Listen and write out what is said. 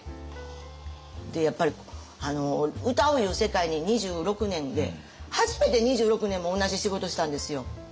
やっぱり歌ういう世界に２６年で初めて２６年も同じ仕事をしたんですよ。